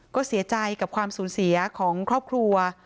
ก็เสียใจกับความสูญเสียของครอบครัว